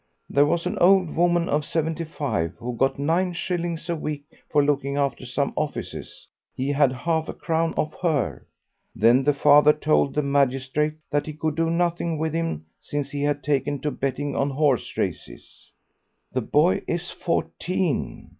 There was an old woman of seventy five who got nine shillings a week for looking after some offices; he had half a crown off her. Then the father told the magistrate that he could do nothing with him since he had taken to betting on horse races. The boy is fourteen.